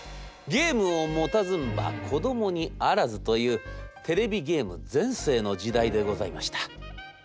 『ゲームを持たずんば子どもにあらず』というテレビゲーム全盛の時代でございました。